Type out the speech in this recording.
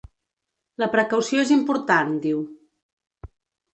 La precaució és important, diu.